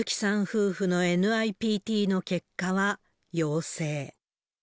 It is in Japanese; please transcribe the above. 夫婦のＮＩＰＴの結果は、陽性。